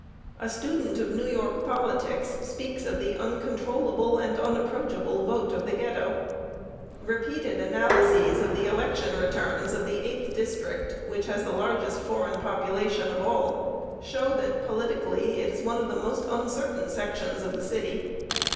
A student of New York politics speaks of the "uncontrollable and unapproachable vote of the Ghetto." Repeated analyses of the election returns of the Eighth District, which has the largest foreign population of all, show that "politically it is one of the most uncertain sections" in the city.